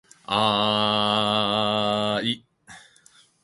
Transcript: ああああああああああああああああい